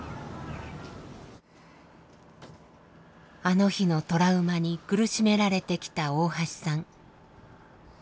あの日のトラウマに苦しめられてきた大橋さん。